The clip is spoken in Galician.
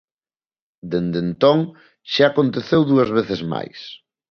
Dende entón, xa aconteceu dúas veces máis.